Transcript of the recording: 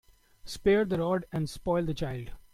Spare the rod and spoil the child.